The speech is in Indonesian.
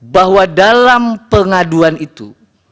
bahwa dalam pengaduan itu